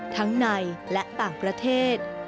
ทั้งในและต่างประเทศ